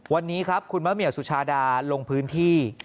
วันนี้ครับคุณมะเหมียวสุชาดาลงพื้นที่